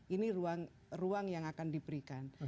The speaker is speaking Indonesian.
ini ruang yang akan diberikan